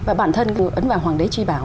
và bản thân ấn vào hoàng đế truy bảo